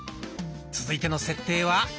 続いての設定は。